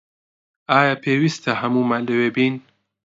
ئایا پێویستە هەموومان لەوێ بین؟